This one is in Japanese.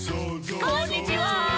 「こんにちは」